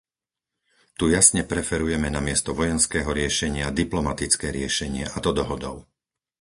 Tu jasne preferujeme namiesto vojenského riešenia diplomatické riešenie, a to dohodu.